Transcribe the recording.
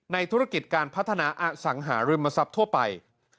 ธุรกิจการพัฒนาอสังหาริมทรัพย์ทั่วไป